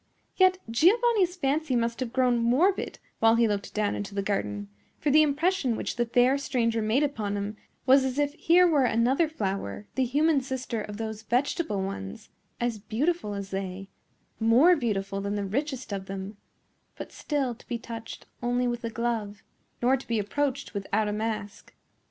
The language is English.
Yet Giovanni's fancy must have grown morbid while he looked down into the garden; for the impression which the fair stranger made upon him was as if here were another flower, the human sister of those vegetable ones, as beautiful as they, more beautiful than the richest of them, but still to be touched only with a glove, nor to be approached without a mask.